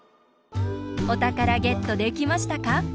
おたからゲットできましたか？